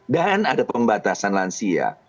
dan ada pembatasan lansia